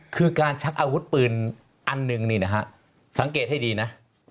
คือการชักอาวุธปืนอันนึงสังเกตให้ดีนะ